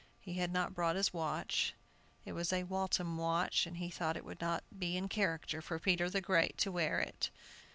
He had not brought his watch. It was a Waltham watch, and he thought it would not be in character for Peter the Great to wear it.